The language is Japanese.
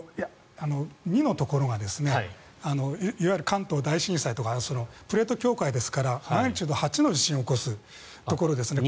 ２のところがいわゆる関東大震災とかプレート境界ですからマグニチュード８の地震を起こすところです。